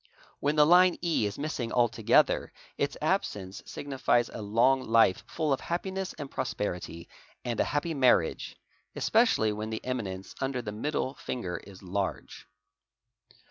When the line E is missing altogether its absence signi | fies a long life full of happiness and prosperity and a happy marriage, especially when the eminence under the middle finger is large.